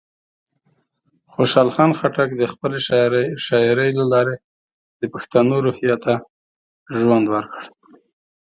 خوشحال خان خټک د خپلې شاعرۍ له لارې د پښتنو روحیه ته ژوند ورکړ.